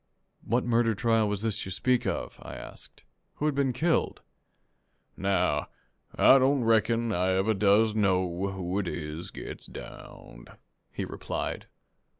"What murder trial was this you speak of?" I asked. "Who had been killed?" "Now I don't reckon I ever does know who it is gets downed," he replied.